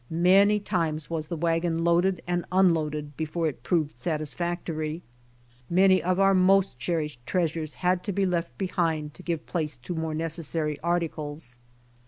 Many times was the wagon loaded and unloaded before it proved satisfactory. Many of our most cherished treasures had to be left 4 BY OX TEAM TO CALIFORNIA behind to give. place to the more necessary articles.